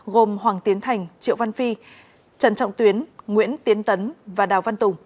gồm hoàng tiến thành triệu văn phi trần trọng tuyến nguyễn tiến tấn và đào văn tùng